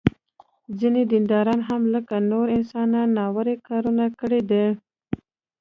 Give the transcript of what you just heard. ځینې دینداران هم لکه نور انسانان ناروا کارونه کړي دي.